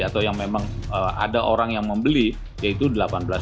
atau yang memang ada orang yang membeli yaitu delapan belas